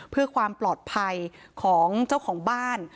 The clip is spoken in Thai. เพื่อความปลอดภัยของเจ้าของบ้าน